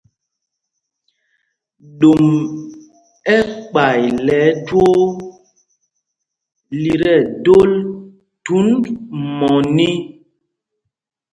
Ɗom ɛkpay lɛ ɛjwoo lí tí ɛdol thund mɔní.